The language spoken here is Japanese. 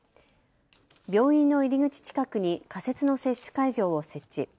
病院の入り口近くに仮設の接種会場を設置。